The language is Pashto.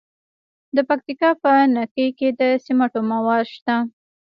د پکتیکا په نکې کې د سمنټو مواد شته.